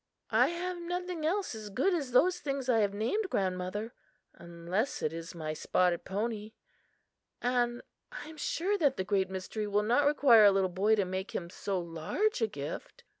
"I have nothing else as good as those things I have named, grandmother, unless it is my spotted pony; and I am sure that the Great Mystery will not require a little boy to make him so large a gift.